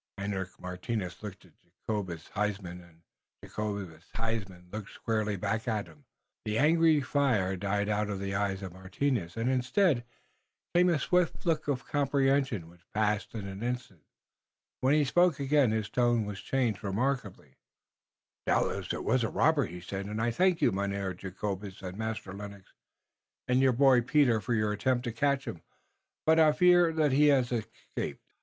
Hendrik Martinus looked at Jacobus Huysman and Jacobus Huysman looked squarely back at him. The angry fire died out of the eyes of Martinus, and instead came a swift look of comprehension which passed in an instant. When he spoke again his tone was changed remarkably: "Doubtless it was a robber," he said, "and I thank you, Mynheer Jacobus, and Master Lennox, and your boy Peter, for your attempt to catch him. But I fear that he has escaped."